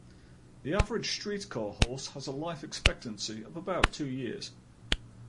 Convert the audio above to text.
The average street car horse had a life expectancy of about two years.